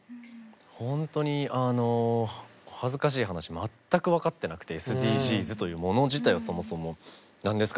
本当に恥ずかしい話全く分かってなくてＳＤＧｓというもの自体をそもそも何ですか？